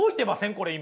これ今。